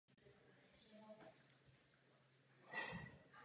I tak ale lékaři respektují přání rodiny.